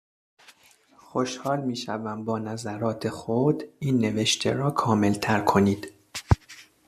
خوشحال میشوم با نظرات خود، این نوشته را کاملتر کنید.